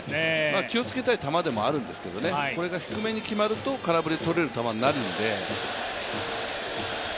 気をつけたい球でもあるんですけどね、これが低めに決まると空振り取れる球になるので。